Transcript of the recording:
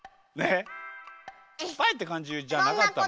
すっぱいってかんじじゃなかった？